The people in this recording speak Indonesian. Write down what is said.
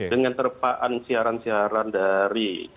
dengan terpaan siaran siaran dari